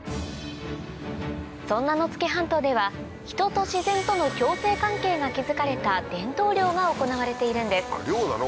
そんな野付半島では人と自然との共生関係が築かれた伝統漁が行われているんです漁なの？